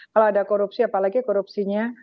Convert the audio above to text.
kalau ada korupsi apalagi korupsinya